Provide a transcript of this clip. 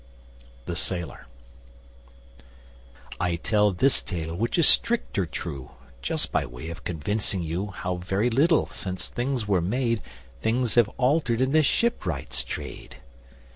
THE SAILOR: I tell this tale, which is stricter true, just by way of convincing you How very little since things was made Things have altered in the shipwright's trade.